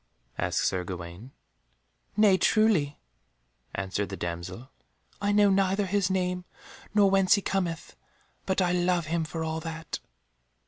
asked Sir Gawaine. "Nay, truly," answered the damsel, "I know neither his name, nor whence he cometh, but I love him for all that."